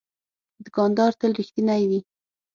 دوکاندار تل رښتینی وي.